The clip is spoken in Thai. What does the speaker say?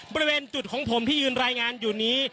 บริเวณจุดของผมที่ยืนรายงานอยู่นี้